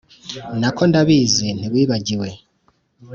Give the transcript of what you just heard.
nako ndabizi ntiwibagiwe .